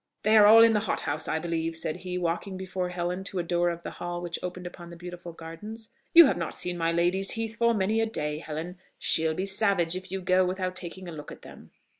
"They are all in the hothouse, I believe," said he, walking before Helen to a door of the hall which opened upon the beautiful gardens. "You have not seen my lady's heaths for many a day, Helen: she'll be savage if you go without taking a look at them."